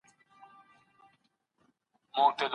نوي تجربې مو د ژوند خوند زیاتوي.